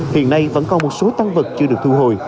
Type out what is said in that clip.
hiện nay vẫn còn một số tăng vật chưa được thu hồi